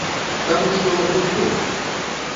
Таму што мы хто?